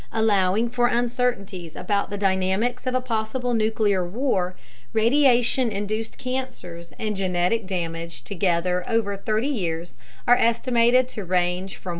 Allowing for uncertainties about the dynamics of a possible nuclear war, radiation induced cancers and genetic damage together over 30 years are estimated to range from 1.